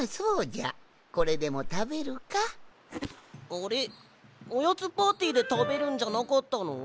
あれおやつパーティーでたべるんじゃなかったの？